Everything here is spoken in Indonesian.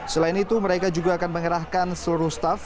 selain itu mereka juga akan mengerahkan seluruh staff